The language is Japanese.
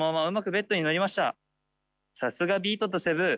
さすがビートとセブー。